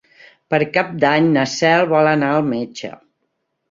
Per Cap d'Any na Cel vol anar al metge.